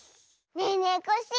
ねえねえコッシー